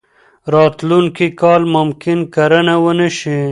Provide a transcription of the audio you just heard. راتلونکی کال ممکن کرنه ونه شي.